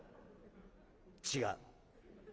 「違う。